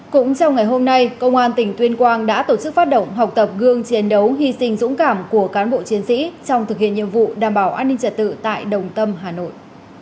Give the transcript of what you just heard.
cũng trong ngày hôm nay công an tỉnh tuyên quang đã tổ chức phát động học tập gương chiến đấu hy sinh dũng cảm của cán bộ chiến sĩ trong thực hiện nhiệm vụ đảm bảo an ninh trật tự tại đồng tâm hà nội